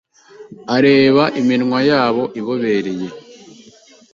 areba iminwa yabo ibobereye